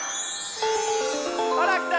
ほらきた。